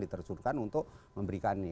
diterjurkan untuk memberikan ini